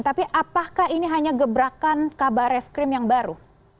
tapi apakah ini hanya gebrakan kabar reskrim yang baru